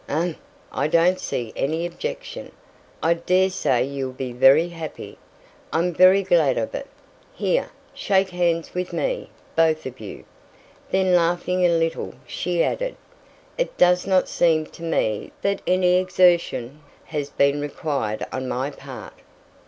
"Umph! I don't see any objection. I daresay you'll be very happy. I'm very glad of it! Here! shake hands with me, both of you." Then laughing a little, she added, "It does not seem to me that any exertion has been required on my part."